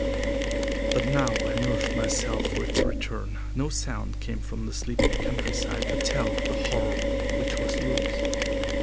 But now I nerved myself for its return. No sound came from the sleeping countryside to tell of the horror which was loose.